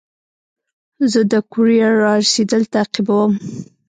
زه د کوریر رارسېدل تعقیبوم.